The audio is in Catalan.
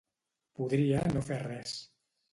Podria no fer res.